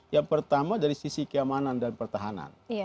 yang pertama dari sisi keamanan dan pertahanan